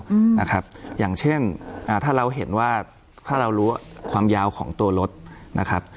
อืมนะครับอย่างเช่นอ่าถ้าเราเห็นว่าถ้าเรารู้ความยาวของตัวรถนะครับ